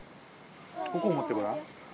ここを持ってごらん。